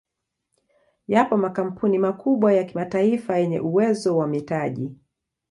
Yapo makampuni makubwa ya kimataifa yenye uwezo wa mitaji